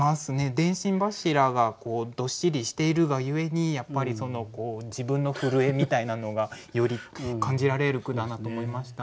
電信柱がどっしりしているがゆえに自分の震えみたいなのがより感じられる句だなと思いました。